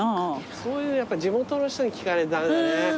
そういうやっぱ地元の人に聞かないと駄目だね。